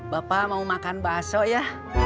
bapak mau makan bakso ya